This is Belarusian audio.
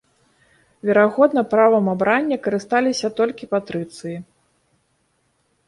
Верагодна, правам абрання карысталіся толькі патрыцыі.